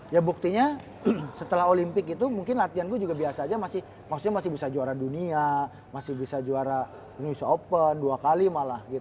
ya buktinya setelah olimpik itu mungkin latihan juga biasa aja masih maksudnya masih bisa juara